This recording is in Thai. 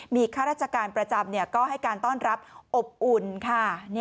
มีข้าราชการประจำก็ให้การต้อนรับอบอุ่นค่ะ